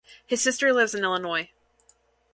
His sister lives in Illinois.